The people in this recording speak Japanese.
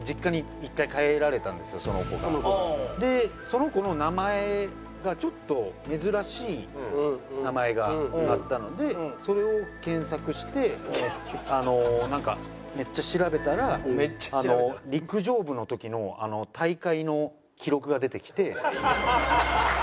その子の名前がちょっと珍しい名前があったのでそれを検索してあのなんかめっちゃ調べたら陸上部の時の大会の記録が出てきて。